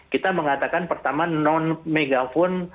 kita mengatakan pertama non megaphone